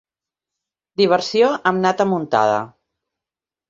Diversió amb nata muntada.